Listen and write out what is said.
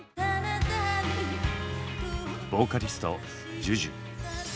ボーカリストＪＵＪＵ。